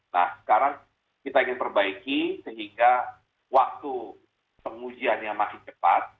nah sekarang kita ingin perbaiki sehingga waktu pengujiannya masih cepat